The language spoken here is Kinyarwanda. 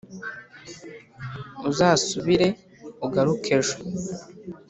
Uzasubire ugaruke ejo